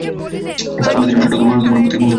সালভাদোরীয় ছোটগল্পের পথিকৃৎ তিনি।